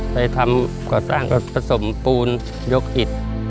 ไปทำก่อสร้างก็ผสมปูนยกอิด